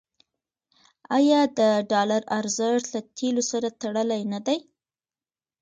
آیا د ډالر ارزښت له تیلو سره تړلی نه دی؟